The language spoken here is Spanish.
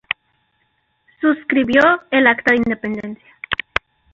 Suscribió el Acta de Independencia.